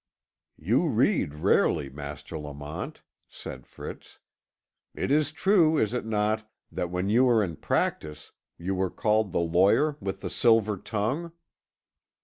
"You read rarely, Master Lamont," said Fritz. "It is true, is it not, that, when you were in practice, you were called the lawyer with the silver tongue?"